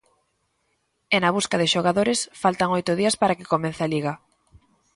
E na busca de xogadores faltan oito días para que comece a Liga.